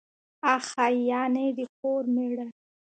اخښی، يعني د خور مېړه.